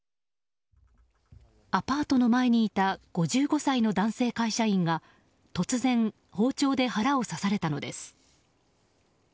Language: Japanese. アパートの前にいた５５歳の男性会社員が突然、包丁で腹を刺されたのです。